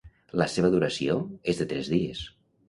La seva duració és de tres dies.